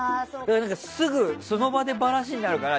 すぐ、その場でばらしになるから。